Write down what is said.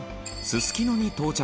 すすきのに到着